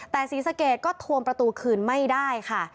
แต่ศรีสะเกดก็ทวงประตูคืนไม่ได้ค่ะ